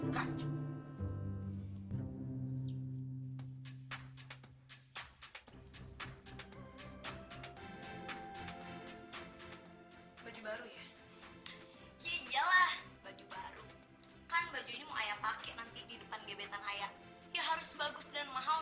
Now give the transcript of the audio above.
baju baru ya iyalah baru kan mau pakai nanti di depan comparing numbers bagus dan mahal